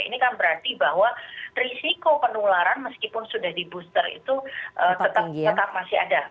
ini kan berarti bahwa risiko penularan meskipun sudah di booster itu tetap masih ada